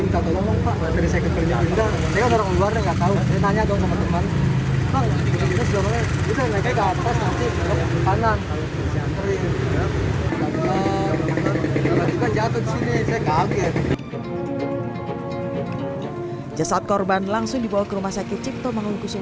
jatuh di sini saya kaget jasad korban langsung dibawa ke rumah sakit cipto mengungkusung